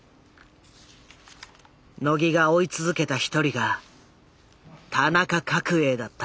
野木が追い続けた一人が田中角栄だった。